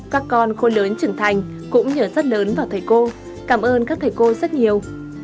các con khôi lớn trưởng thành cũng nhờ rất lớn vào thầy cô cảm ơn các thầy cô rất nhiều